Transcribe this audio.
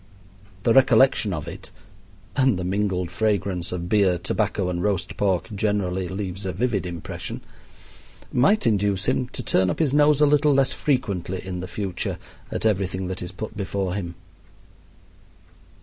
The recollection of it (and the mingled fragrance of beer, tobacco, and roast pork generally leaves a vivid impression) might induce him to turn up his nose a little less frequently in the future at everything that is put before him.